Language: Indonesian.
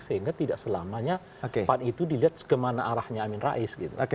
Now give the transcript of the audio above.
sehingga tidak selamanya pan itu dilihat kemana arahnya amin rais gitu